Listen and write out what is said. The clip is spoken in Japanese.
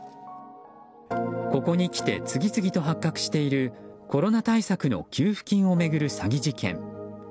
ここに来て次々と発覚しているコロナ対策の給付金を巡る詐欺事件。